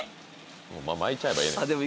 巻いちゃえばええ。